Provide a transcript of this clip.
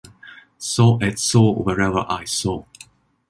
Saw at saw wherever I saw.